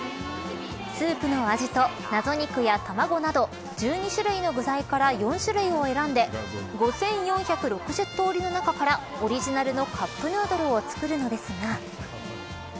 スープの味と謎肉や卵など１２種類の具材から４種類を選んで５４６０通りの中からオリジナルのカップヌードルを作るのですが。